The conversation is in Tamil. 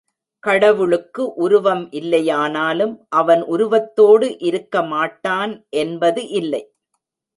கடவுளுக்கு உருவம் இல்லையானாலும் அவன் உருவத்தோடு இருக்க மாட்டான் என்பது இல்லை.